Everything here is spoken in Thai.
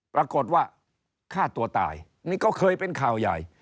ปรากฏว่าฆ่าตัวตายนี่ก็เคยเป็นข่าวใหญ่